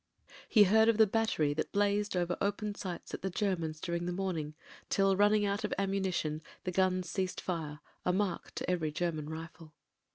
He heard of the battery that blazed over open sights at the Germans during the morning, till, running out of ammunition, the guns ceased fire, a mark to every German rifle.